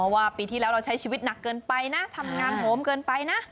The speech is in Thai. ว่าปีที่แล้วเราใช้ชีวิตหนักเกินไปนะทำงานโหมเกินไปนะ